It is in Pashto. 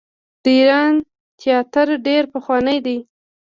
د ایران تیاتر ډیر پخوانی دی.